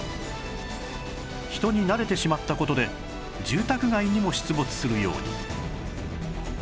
人に慣れてしまった事で住宅街にも出没するように